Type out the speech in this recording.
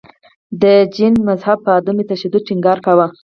د جین مذهب په عدم تشدد ټینګار کاوه.